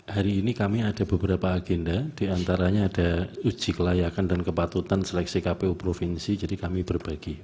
hari ini kami ada beberapa agenda diantaranya ada uji kelayakan dan kepatutan seleksi kpu provinsi jadi kami berbagi